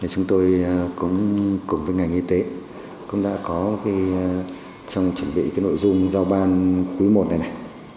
chúng tôi cũng cùng với ngành y tế cũng đã có trong chuẩn bị nội dung giao ban cuối một này